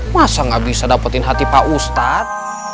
masa gak bisa dapetin hati pak ustadz